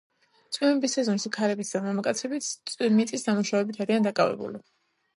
წვიმების სეზონში ქალებიც და მამაკაცებით მიწის დამუშავებით არიან დაკავებული.